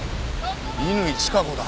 乾チカ子だ。